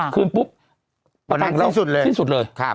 คืนปุ๊บประกันของเราสิ้นสุดเลย